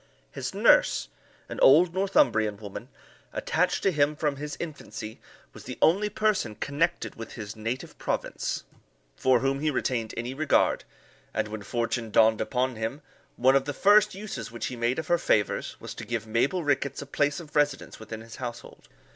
His nurse, an old Northumbrian woman, attached to him from his infancy, was the only person connected with his native province for whom he retained any regard; and when fortune dawned upon him, one of the first uses which he made of her favours, was to give Mabel Rickets a place of residence within his household.